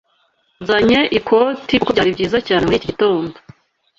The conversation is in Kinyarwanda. Nzanye ikoti kuko byari byiza cyane muri iki gitondo.